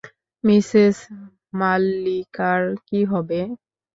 Mrs মাললিকার কী হবে?